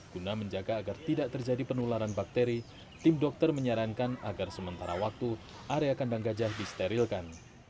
guna menjaga agar tidak terjadi penularan bakteri tim dokter menyarankan agar sementara waktu area kandang gajah disterilkan